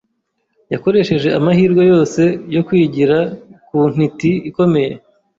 Yakoresheje amahirwe yose yo kwigira ku ntiti ikomeye.